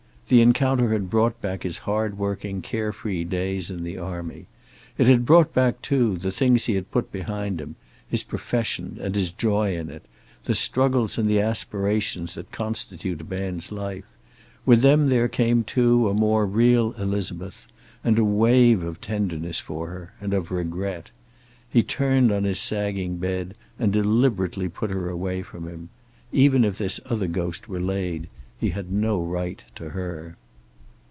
The encounter had brought back his hard working, care free days in the army. It had brought back, too, the things he had put behind him, his profession and his joy in it, the struggles and the aspirations that constitute a man's life. With them there came, too, a more real Elizabeth, and a wave of tenderness for her, and of regret. He turned on his sagging bed, and deliberately put her away from him. Even if this other ghost were laid, he had no right to her.